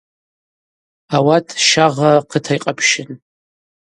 Ауат щагъра рхъыта йкъапщын.